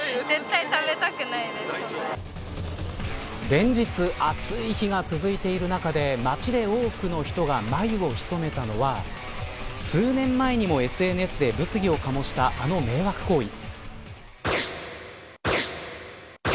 連日暑い日が続いている中で街で多くの人が眉をひそめたのは数年前にもＳＮＳで物議を醸したあの迷惑行為。